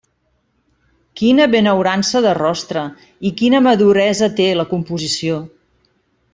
Quina benaurança de rostre, i quina maduresa té la composició.